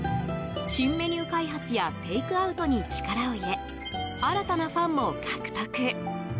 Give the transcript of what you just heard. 新メニュー開発やテイクアウトに力を入れ新たなファンも獲得。